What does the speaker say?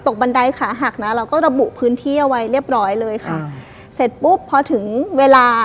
ตกบันไดขาหักนะเราก็ระบุพื้นที่เอาไว้เรียบร้อยเลยค่ะ